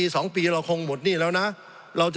สงบจนจะตายหมดแล้วครับ